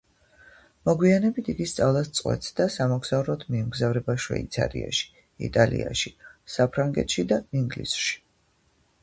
მოგვიანებით იგი სწავლას წყვეტს და სამოგზაუროდ მიემგზავრება შვეიცარიაში, იტალიაში, საფრანგეთში და ინგლისში.